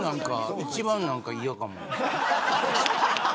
一番、なんか嫌かも。